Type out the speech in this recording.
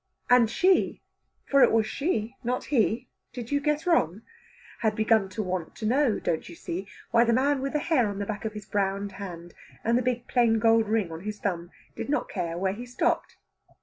And she (for it was she, not he: did you guess wrong?) had begun to want to know, don't you see, why the man with the hair on the back of his browned hand and the big plain gold ring on his thumb did not care where he stopped.